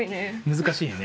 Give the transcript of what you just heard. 難しいよね。